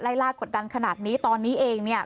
ลากกดดันขนาดนี้ตอนนี้เองเนี่ย